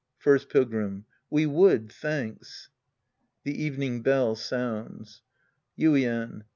First Pilgrim. We would, thanks. {The evening bell sounds) Yuien.